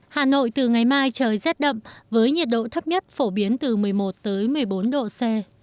hà nội từ ngày mai trời rét đậm với nhiệt độ thấp nhất phổ biến từ một mươi một một mươi bốn độ c